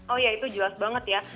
oh ya itu jelas banget ya